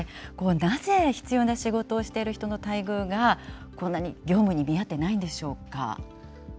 なぜ必要な仕事をしている人の待遇が、こんなに業務に見合ってないんでしょうか。